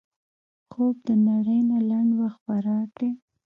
خوب د نړۍ نه لنډ وخت فرار دی